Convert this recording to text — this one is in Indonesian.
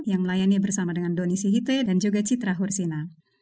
yang melayani bersama dengan doni sihite dan juga citra hursina